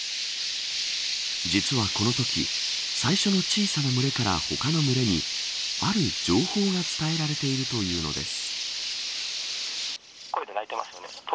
実はこのとき最初の小さな群れから他の群れにある情報が伝えられているというのです。